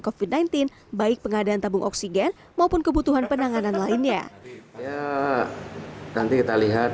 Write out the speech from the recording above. covid sembilan belas baik pengadaan tabung oksigen maupun kebutuhan penanganan lainnya nanti kita lihat